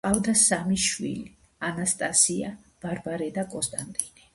ჰყავდა სამი შვილი: ანასტასია, ბარბარე და კონსტანტინე.